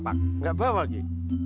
aku sudah berhenti